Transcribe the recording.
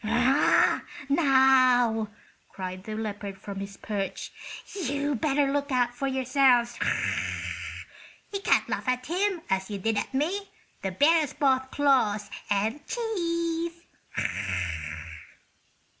"Now," cried the leopard from his perch, "you'd better look out for yourselves! You can't laugh at him as you did at me. The bear has both claws and teeth."